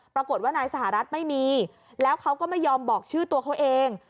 ปรากฏว่านายสหรัฐไม่มีแล้วเขาก็ไม่ยอมบอกชื่อตัวเขาเอง